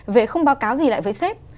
về không báo cáo gì lại với sếp